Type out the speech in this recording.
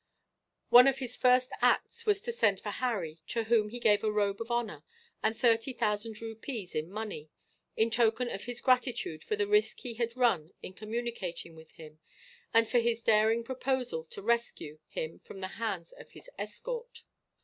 One of his first acts was to send for Harry, to whom he gave a robe of honour, and thirty thousand rupees in money, in token of his gratitude for the risk he had run in communicating with him, and for his daring proposal to rescue him from the hands of his escort.